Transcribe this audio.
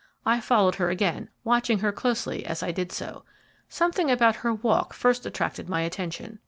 I followed her again, watching her closely as I did so. Something about her walk first attracted my attention.